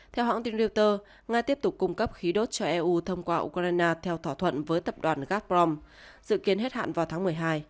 theo hãng tin reuter nga tiếp tục cung cấp khí đốt cho eu thông qua ukraine theo thỏa thuận với tập đoàn gaprom dự kiến hết hạn vào tháng một mươi hai